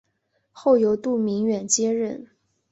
后由杜明远接任。